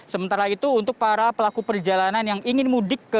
sementara itu untuk para pelaku perjalanan yang ingin mudik ke